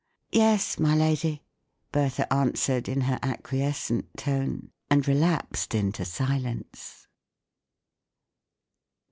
" Yes, my lady," Bertha answered, in her acquiescent tone, and relapsed into silence.